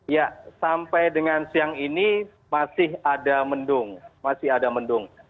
ya sampai dengan siang ini masih ada mendung